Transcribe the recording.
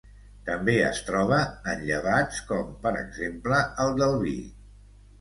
També es troba en llevats com, per exemple, el del vi.